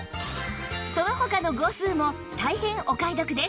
その他の号数も大変お買い得です